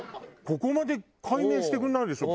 ここまで解明してくれないでしょ？